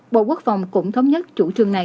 bộ quốc phòng cũng thống nhất chủ trương này